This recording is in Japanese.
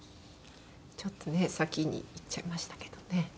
ちょっとね先に逝っちゃいましたけどね。